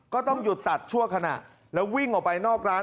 ก็ต้องหยุดตัดชั่วขณะแล้ววิ่งออกไปนอกร้าน